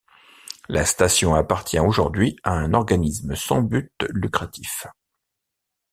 La station appartient aujourd'hui à un organisme sans but lucratif.